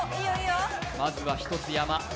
まずは１つ山。